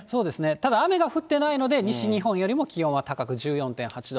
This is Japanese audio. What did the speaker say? ただ、雨が降っていないので、西日本よりも気温は高く１４．８度。